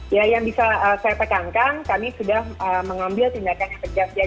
ya yang bisa saya tekankan kami sudah mengambil tindakan yang tegas ya